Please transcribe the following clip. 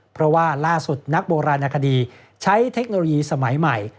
เพราะว่าล่าสุดนักโบราณนาคดีใช้เทคโนโลยีสมัยใหม่